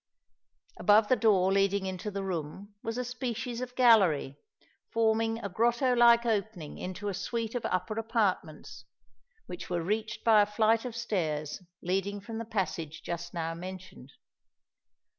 Above the door leading into the room was a species of gallery, forming a grotto like opening into a suite of upper apartments, which were reached by a flight of stairs leading from the passage just now mentioned.